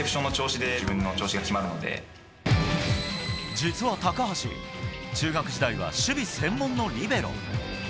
実は高橋、中学時代は守備専門のリベロ。